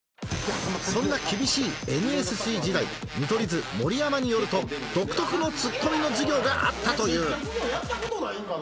そんな厳しいＮＳＣ時代見取り図盛山によると独特のツッコミの授業があったという接客業やった事ないんかな！